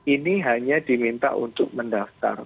ini hanya diminta untuk mendaftar